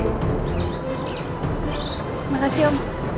terima kasih om